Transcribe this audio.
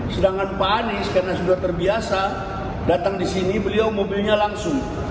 sedangkan pak anies karena sudah terbiasa datang di sini beliau mobilnya langsung